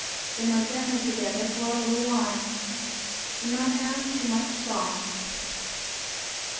Simmer gently together for a little while. Do not have too much sauce.